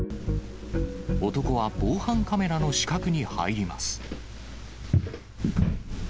男は防犯カメラの死角に入ります。